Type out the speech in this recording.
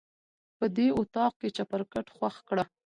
په دې اطاق کې چپرکټ خوښ کړه.